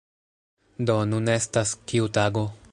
Do, nun estas... kiu tago?